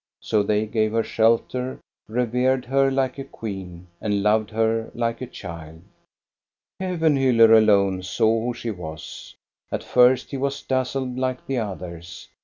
So they gave her shelter, revered her like a queen, and loved her like a child. Kevenhiiller alone saw who she was. At first he was dazzled like the others.